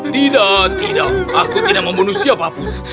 tidak tidak aku tidak membunuh siapapun